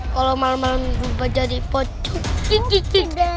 kalau malem malem berubah jadi pocong